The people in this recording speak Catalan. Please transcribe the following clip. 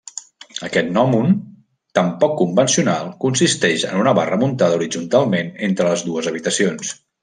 Aquest gnòmon tan poc convencional consisteix en una barra muntada horitzontalment entre les dues habitacions.